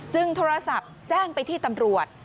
โทรศัพท์แจ้งไปที่ตำรวจ